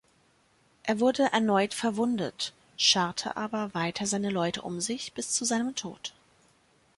Er wurde erneut verwundet, scharte aber weiter seine Leute um sich bis zu seinem Tod.